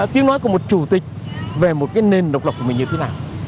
tiếng nói của một chủ tịch về một cái nền độc lập của mình như thế nào